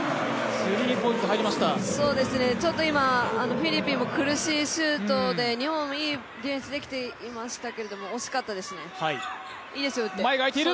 フィリピンも苦しいシュートで日本、いいディフェンスできていましたけれども惜しかったですね。